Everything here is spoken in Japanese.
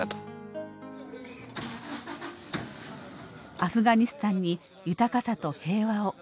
アフガニスタンに豊かさと平和を。